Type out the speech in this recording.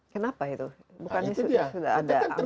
kenapa itu bukannya sudah ada